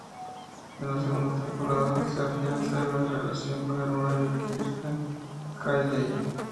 En la segunda temporada, se afianza la relación con la hermana de Kirsten, Hailey.